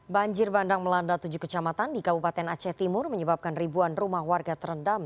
banjir bandang melanda tujuh kecamatan di kabupaten aceh timur menyebabkan ribuan rumah warga terendam